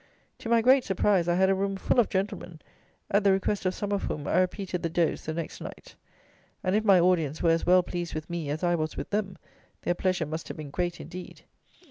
To my great surprise, I had a room full of gentlemen, at the request of some of whom I repeated the dose the next night; and if my audience were as well pleased with me as I was with them, their pleasure must have been great indeed.